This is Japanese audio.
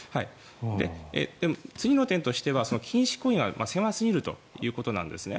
次の点としては禁止行為が狭すぎるということなんです。